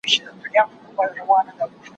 په کوټه کي به په غېږ کي د څښتن وو